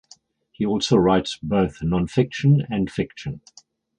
He also writes both non fiction and fiction.